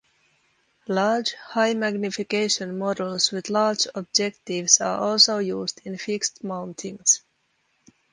Large, high-magnification models with large objectives are also used in fixed mountings.